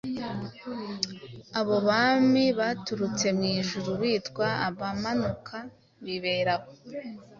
Abo Bami baturutse mw'ijuru bitwa Ibimanuka. Bibera aho,